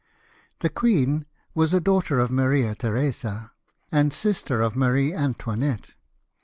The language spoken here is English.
The queen was a daughter of Maria Theresa, and sister of Marie Antoinette.